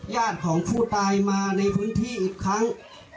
ญาติของผู้ตายมาในพื้นที่อีกครั้ง